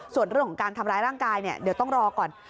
ส่วนเรื่องของการทำร้ายร่างกายเนี่ยเดี๋ยวต้องรอก่อน